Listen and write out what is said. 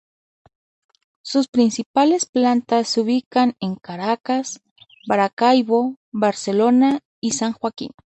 Sus principales plantas se ubican en Caracas, Maracaibo, Barcelona y San Joaquín.